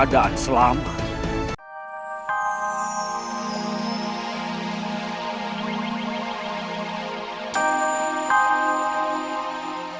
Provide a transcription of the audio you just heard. jangan lupa juga